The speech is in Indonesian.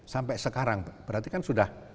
sampai sekarang berarti kan sudah